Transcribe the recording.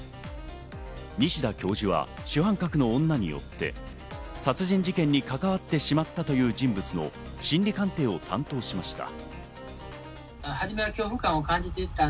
西田教授は主犯格の女によって、殺人事件に関わってしまったという人物の心理鑑定を担当しました。